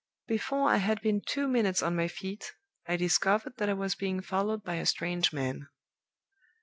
Before I had been two minutes on my feet, I discovered that I was being followed by a strange man.